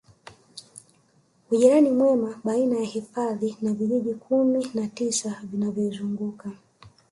Ujirani mwema baina ya hifadhi na vijiji Kumi na tisa vinavyoizunguka